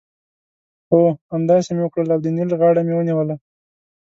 هو! همداسې مې وکړل او د نېل غاړه مې ونیوله.